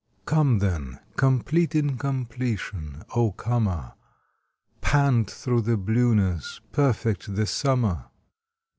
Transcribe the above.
Come then, complete incompletion, O comer, Pant through the blueness, perfect the summer!